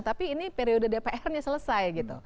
tapi ini periode dpr nya selesai gitu